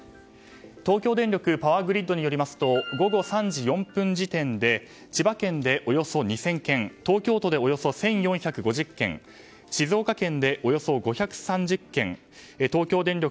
東京電力パワーグリッドによりますと午後３時４分時点で千葉県でおよそ２０００軒東京都でおよそ１４５０軒静岡県でおよそ５３０軒東京電力